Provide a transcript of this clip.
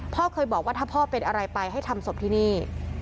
พ่อเคยบอกว่าถ้าพ่อเป็นอะไรไปให้ทำศพที่นี่